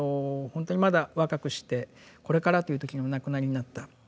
本当にまだ若くしてこれからという時にお亡くなりになった。